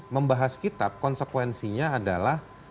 membahas kitab konsekuensinya adalah